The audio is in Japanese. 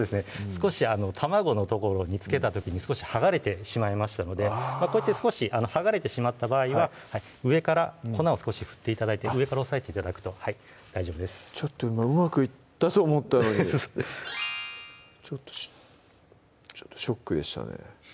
少し卵の所に付けた時に少し剥がれてしまいましたのでこうやって少し剥がれてしまった場合は上から粉を少し振って頂いて上から押さえて頂くと大丈夫ですうまくいったと思ったのにちょっとショックでしたね